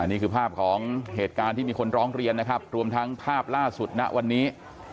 นี่คือภาพของเหตุการณ์ที่มีคนร้องเรียนนะครับรวมทั้งภาพล่าสุดณวันนี้